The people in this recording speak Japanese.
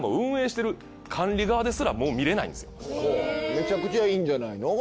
めちゃくちゃいいんじゃないの？